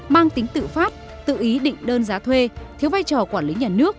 mang tính tự phát tự ý định đơn giá thuê thiếu vai trò quản lý nhà nước